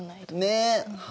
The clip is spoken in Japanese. ねえ。